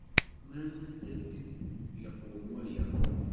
Nnant-d yeqwem waya.